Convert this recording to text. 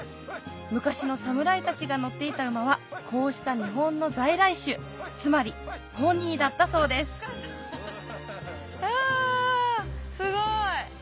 昔の侍たちが乗っていた馬はこうした日本の在来種つまりポニーだったそうですあすごい。